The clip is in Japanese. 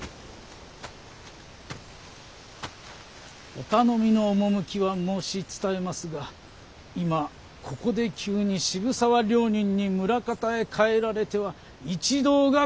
お頼みの趣は申し伝えますが今ここで急に渋沢両人に村方へ帰られては一同が困りまする。